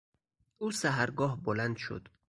او سحرگاه بلند شد.